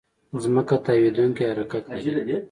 ځمکه تاوېدونکې حرکت لري.